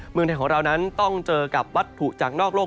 เมืองไทยของเรานั้นต้องเจอกับวัตถุจากนอกโลก